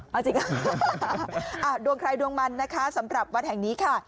เอาสิคะดวงใครดวงมันนะคะสำหรับวัดแห่งนี้ค่ะ